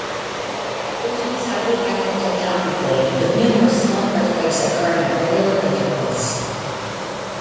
The region is highly active tectonically, with numerous small earthquakes occurring at regular intervals.